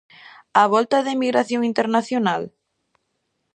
A volta da emigración internacional?